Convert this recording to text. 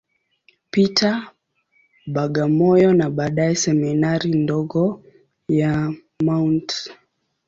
Peter, Bagamoyo, na baadaye Seminari ndogo ya Mt.